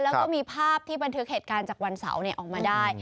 แล้วก็มีภาพที่บันทึกเหตุการณ์จากวันเสาร์ออกมาได้